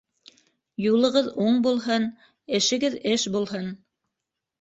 Юлығыҙ уң булһын, эшегеҙ эш булһын.